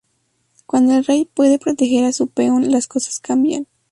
Cuando el rey puede proteger a su peón las cosas cambian.